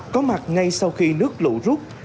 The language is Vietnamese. có mặt ngay sau khi nước lũ rút